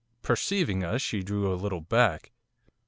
Perceiving us, she drew a little back.